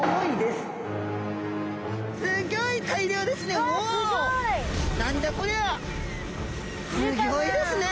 すギョいですね。